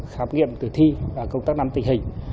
khám nghiệm tử thi và công tác nắm tình hình